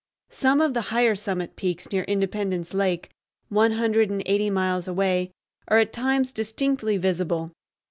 Some of the higher summit peaks near Independence Lake, one hundred and eighty miles away, are at times distinctly visible.